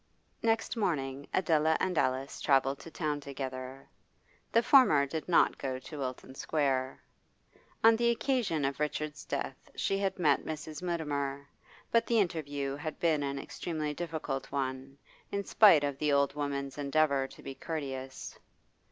Next morning Adela and Alice travelled to town together. The former did not go to Wilton Square. On the occasion of Richard's death she had met Mrs. Mutimer, but the interview had been an extremely difficult one, in spite of the old woman's endeavour to be courteous.